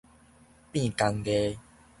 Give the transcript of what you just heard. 變工藝